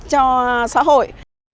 cho xã hội